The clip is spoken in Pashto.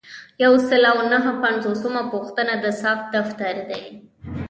یو سل او نهه پنځوسمه پوښتنه د ثبت دفتر دی.